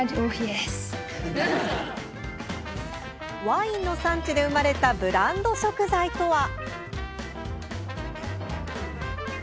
ワインの産地で生まれたブランド食材とは？